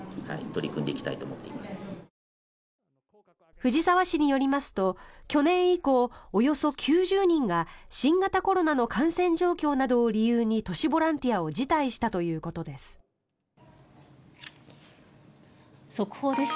藤沢市によりますと去年以降およそ９０人が新型コロナの感染状況などを理由に都市ボランティアを辞退したということです。